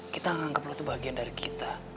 kita nganggep lo tuh bagian dari kita